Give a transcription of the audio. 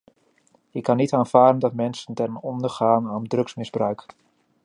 Ik kan niet aanvaarden dat mensen ten onder gaan aan drugsmisbruik.